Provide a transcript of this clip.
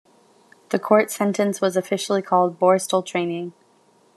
The court sentence was officially called "borstal training".